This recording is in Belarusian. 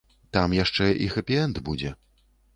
Там яшчэ і хэпі-энд будзе.